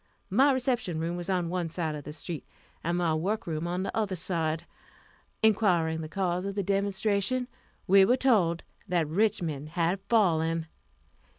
My reception room was on one side of the street, and my work room on the other side. Inquiring the cause of the demonstration, we were told that Richmond had fallen. Mrs.